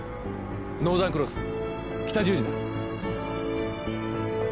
ノーザン・クロス北十字だ。